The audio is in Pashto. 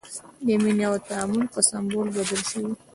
د مینې او تعامل په سمبول بدل شوی.